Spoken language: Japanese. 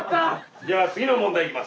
じゃあ次の問題いきます。